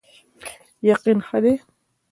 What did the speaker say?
یقین ښه دی.